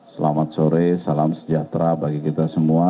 selamat sore salam sejahtera bagi kita semua